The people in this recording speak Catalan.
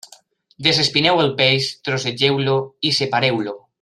Desespineu el peix, trossegeu-lo i separeu-lo.